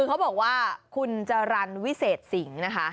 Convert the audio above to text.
คือเขาบอกว่าคุณจรรย์วิเศษสิงห์นะคะ